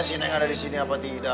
si neng ada disini apa tidak